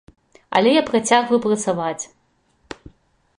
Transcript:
Але я працягваю працаваць.